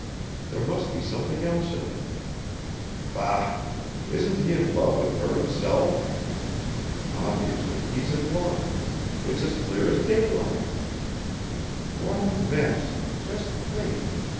There must be something else in it. Bah! Isn't he in love with her himself? Obviously he's in love it's as clear as daylight. What a mess, just think